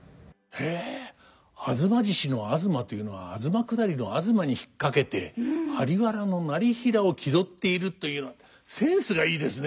へえ「吾妻獅子」の吾妻というのは東下りの東に引っ掛けて在原業平を気取っているというのはセンスがいいですね。